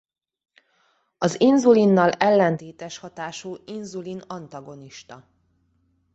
Az inzulinnal ellentétes hatású inzulin-antagonista.